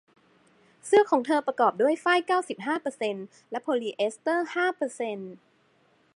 เสื้อของเธอประกอบด้วยฝ้ายเก้าสิบห้าเปอร์เซ็นต์และโพลีเอสเตอร์ห้าเปอร์เซ็นต์